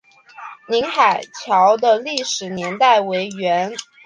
宁海桥的历史年代为元。